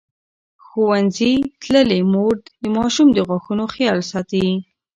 ښوونځې تللې مور د ماشوم د غاښونو خیال ساتي.